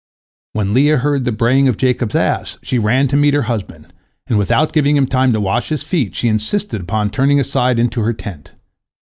When Leah heard the braying of Jacob's ass, she ran to meet her husband, and without giving him time to wash his feet, she insisted upon his turning aside into her tent.